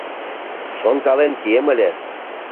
Шонкален кием ыле.